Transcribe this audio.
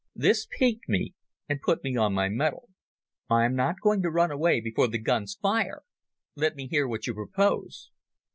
This piqued me and put me on my mettle. "I am not going to run away before the guns fire. Let me hear what you propose."